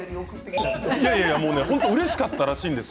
本当にうれしかったらしいんですよ